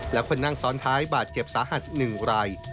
และคนนั่งซ้อนท้ายบาดเจ็บสาหัส๑ราย